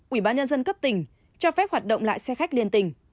ubnd cấp tỉnh cho phép hoạt động lại xe khách liên tỉnh